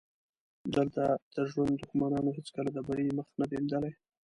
دلته د ژوند دښمنانو هېڅکله د بري مخ نه دی لیدلی.